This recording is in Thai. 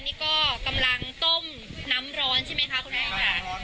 นี่ก็กำลังต้มน้ำร้อนใช่ไหมคะคุณแม่ค่ะ